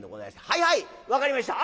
「はいはい分かりました。